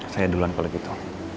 saya duluan kalau gitu